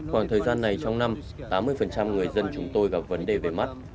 khoảng thời gian này trong năm tám mươi người dân chúng tôi gặp vấn đề về mắt